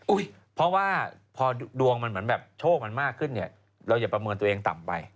อุ๊ยเพราะว่าพอดวงมันแบบโชคมันมากขึ้นเนี่ยเราจะประเมินตัวเองต่ำไป